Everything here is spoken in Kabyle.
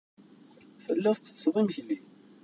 Telliḍ tettetteḍ imekli.